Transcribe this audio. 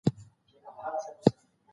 دا يــوه ګـيـله وكړه